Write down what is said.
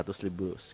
kita lihat di sini